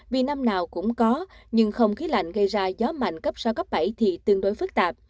vì năm nào cũng có nhưng không khí lạnh gây ra gió mạnh cấp sáu cấp bảy thì tương đối phức tạp